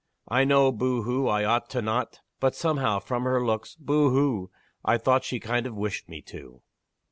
I know boo hoo I ought to not, But, somehow, from her looks boo hoo I thought she kind o' wished me to!"